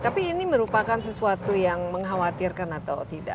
tapi ini merupakan sesuatu yang mengkhawatirkan atau tidak